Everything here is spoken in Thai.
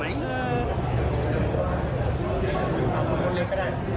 ให้น้องตอบดีกว่าไหม